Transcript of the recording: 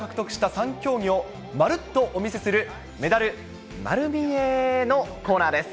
３競技を、まるっとお見せする、メダルまるみえのコーナーです。